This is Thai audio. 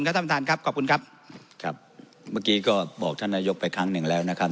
ครับเมื่อกี้ก็บอกท่านนายกไปครั้งหนึ่งแล้วนะครับ